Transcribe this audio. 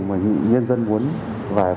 mà nhân dân muốn và